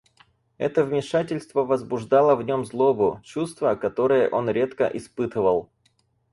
Это вмешательство возбуждало в нем злобу — чувство, которое он редко испытывал.